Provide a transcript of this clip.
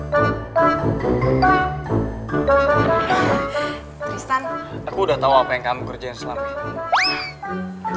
aku udah tahu apa yang kamu kerjain selama ini